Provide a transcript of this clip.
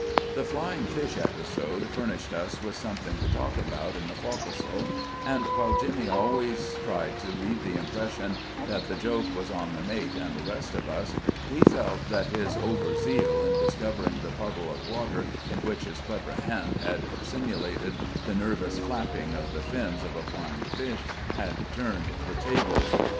The flying fish episode furnished us with something to talk about in the fo'c'sle, and while Jimmy always tried to leave the impression that the joke was on the mate and the rest of us, we felt that his over zeal in discovering the puddle of water in which his clever hand had simulated the nervous flapping of the fins of a flying fish had turned the tables.